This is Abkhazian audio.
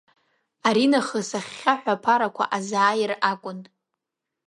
Ари нахыс ахьхьаҳәа аԥарақәа изааир акәын.